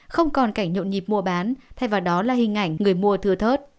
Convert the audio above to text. không còn cảnh nhộn nhịp mua bán thay vào đó là hình ảnh người mua thưa thớt